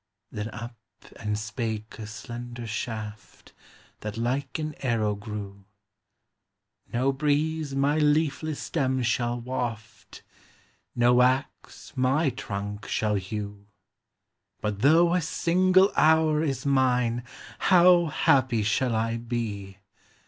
Then up and spake a slender shaft, That like an arrow grew; "No breeze my leafless stem shall waft, No ax my trunk shall hew But though a single hour is mine, How happy shall I be!